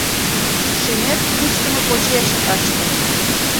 Шӱмет кӱштымӧ почеш ыште.